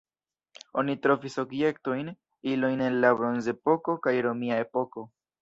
Oni trovis objektojn, ilojn el la bronzepoko kaj romia epoko.